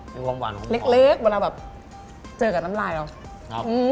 เล็กเจอกับน้ำลายเรา